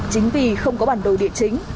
chính vì không có bản đồ địa chính